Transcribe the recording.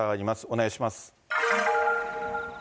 お願いします。